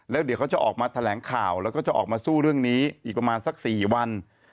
แล้วเดี๋ยวเขาจะออกมาแถลงข่าวแล้วก็จะออกมาสู้เรื่องนี้อีกประมาณสัก๔วัน